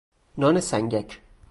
نان سنگک